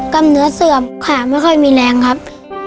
เหนือเสื่อมขาไม่ค่อยมีแรงครับ